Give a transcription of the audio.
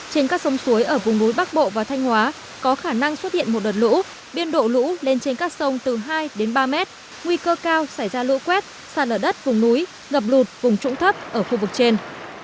trên các sông suối ở vùng núi bắc bộ và thanh hóa có khả năng xuất hiện một đợt lũ biên độ lũ lên trên các sông từ hai đến ba mét nguy cơ cao xảy ra lũ quét xa lở đất vùng núi ngập lụt vùng trũng thấp ở khu vực trên